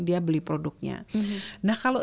dia beli produknya nah kalau